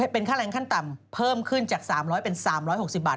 เป็นค่าแรงขั้นต่ำเพิ่มขึ้นจาก๓๐๐เป็น๓๖๐บาท